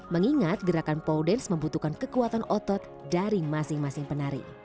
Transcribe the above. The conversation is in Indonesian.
mengingat gerakan pole dance membutuhkan kekuatan otot dari masing masing penari